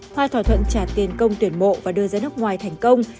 hai thỏa thuận trả tiền công tuyển mộ và đưa ra nước ngoài thành công